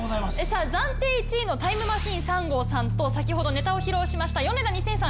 さぁ暫定１位のタイムマシーン３号さんと先ほどネタを披露しましたヨネダ２０００さん